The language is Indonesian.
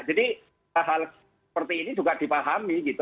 jadi hal hal seperti ini juga dipahami gitu